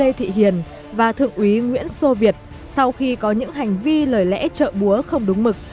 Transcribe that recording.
đại úy lê thị hiến và thượng úy nguyễn xô việt sau khi có những hành vi lời lẽ trợ búa không đúng mực